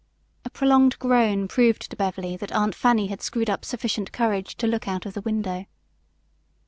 A prolonged groan proved to Beverly that Aunt Fanny had screwed up sufficient courage to look out of the window.